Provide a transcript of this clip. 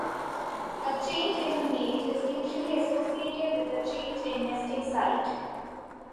A change in mate is usually associated with a change in nesting site.